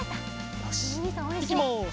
よしいきます。